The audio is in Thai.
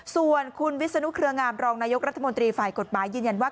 ส่วนคุณวิศนุเครืองามรองนายกรัฐมนตรีฝ่ายกฎหมายยืนยันว่า